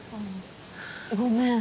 ごめん。